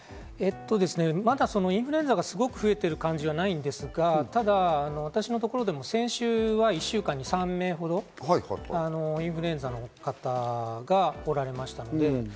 まだインフルエンザがすごく増えてる感じはないんですが、ただ私のところでも先週は１週間に３名ほどインフルエンザの方、来られました。